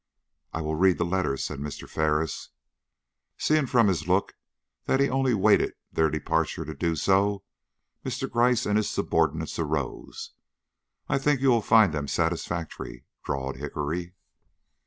"I will read the letters," said Mr. Ferris. Seeing from his look that he only waited their departure to do so, Mr. Gryce and his subordinates arose. "I think you will find them satisfactory," drawled Hickory.